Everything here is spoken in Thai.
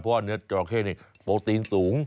เพราะว่าเนื้อจราเข้โปรตีนสูง